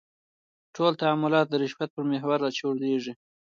ټول تعاملات د رشوت پر محور راچولېږي.